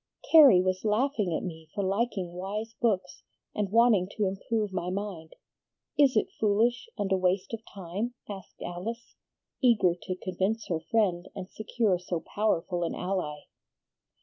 "Carrie was laughing at me for liking wise books and wanting to improve my mind. Is it foolish and a waste of time?" asked Alice, eager to convince her friend and secure so powerful an ally.